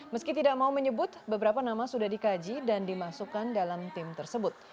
meski tidak mau menyebut beberapa nama sudah dikaji dan dimasukkan dalam tim tersebut